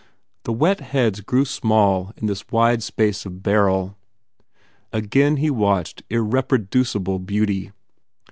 The wet heads grew small in this wide space of beryl. Again he watched irre producible beauty.